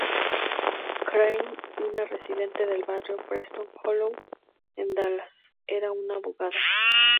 Crain, una residente del barrio Preston Hollow en Dallas, era una abogada.